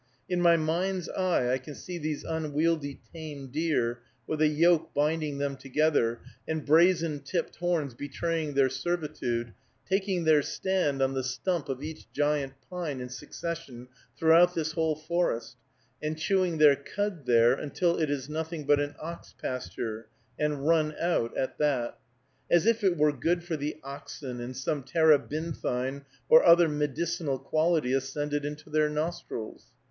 In my mind's eye, I can see these unwieldy tame deer, with a yoke binding them together, and brazen tipped horns betraying their servitude, taking their stand on the stump of each giant pine in succession throughout this whole forest, and chewing their cud there, until it is nothing but an ox pasture, and run out at that. As if it were good for the oxen, and some terebinthine or other medicinal quality ascended into their nostrils.